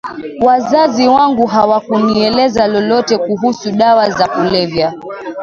Wazazi wangu hawakunieleza lolote kuhusu dawa za kulevya